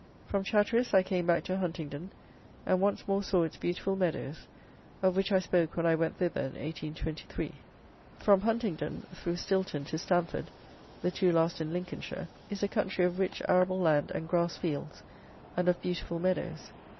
From Chatteris I came back to Huntingdon and once more saw its beautiful meadows, of which I spoke when I went thither in 1823. From Huntingdon, through Stilton, to Stamford (the two last in Lincolnshire), is a country of rich arable land and grass fields, and of beautiful meadows.